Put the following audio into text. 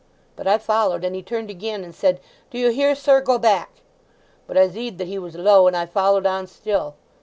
But I followed, and he turned again, and said, 'Do you hear, sir? Go back!' But I zeed that he was low, and I followed on still.